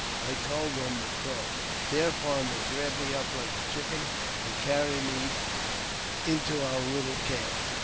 I told them the Crow, Thereupon they grabbed me up like a chicken, and carried me into our little camp.